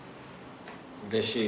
うれしい。